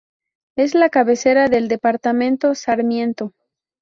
Es la cabecera del departamento Sarmiento.